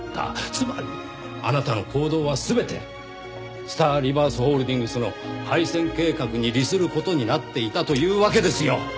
つまりあなたの行動は全てスターリバーズホールディングスの廃線計画に利する事になっていたというわけですよ！